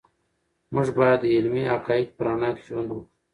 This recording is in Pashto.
موږ باید د علمي حقایقو په رڼا کې ژوند وکړو.